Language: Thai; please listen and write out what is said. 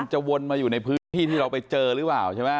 จะวนมาอยู่ในพื้นที่ที่เราไปเจอหรือเปล่าใช่ไหม